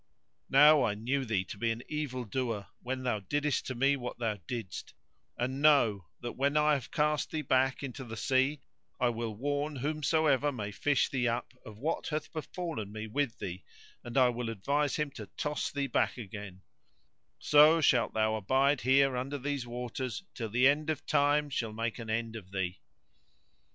Now I knew thee to be an evil doer when thou diddest to me what thou didst, and know, that when I have cast thee back into the sea, I will warn whomsoever may fish thee up of what hath befallen me with thee, and I will advise him to toss thee back again; so shalt thou abide here under these waters till the End of Time shall make an end of thee."